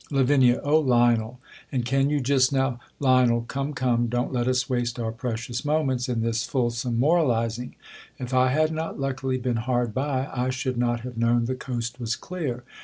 Lav, O Lionel ! and can you just now Lion, Come, come, don't let us waste our precious moments in this fulsome moralizing. If I had not luck ily been hard by, I should not have known the coast was clear.